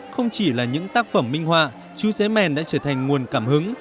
không chỉ là những tác phẩm minh họa chú xé mèn đã trở thành nguồn cảm hứng